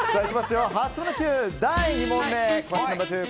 第２問目。